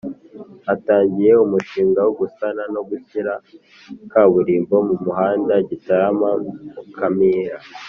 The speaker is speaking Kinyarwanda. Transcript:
Hatangiye umushinga wo gusana no gushyira kaburimbo mu muhanda Gitarama Mukamira